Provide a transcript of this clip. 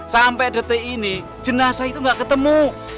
sampai detik ini jenazah itu nggak ketemu